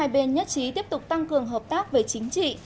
hai bên nhất trí tiếp tục tăng cường hợp tác về chính trị